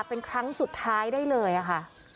เป็นครั้งสุดท้ายได้เลยค่ะ